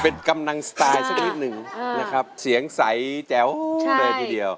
เป็นกำลังสไตล์สักนิดหนึ่งนะครับเสียงใสแจ๋วเลยทีเดียว